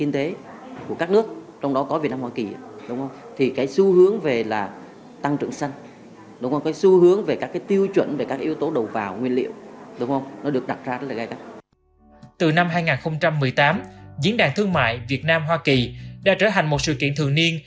từ năm hai nghìn một mươi tám diễn đàn thương mại việt nam hoa kỳ đã trở thành một sự kiện thường niên